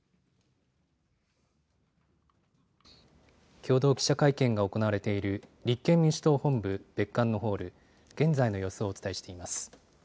共同記者会見が行われている立憲民主党本部別館のホール、現在の様子をお伝えしています。